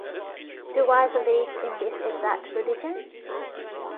Do I believe in this exact religion?